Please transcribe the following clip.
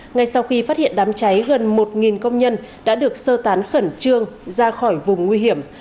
ngay sau khi phát hiện đám cháy gần một công nhân đã được sơ tán khẩn trương ra khỏi vùng nguy hiểm